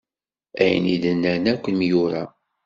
Ayen i d-nnan akk imyura.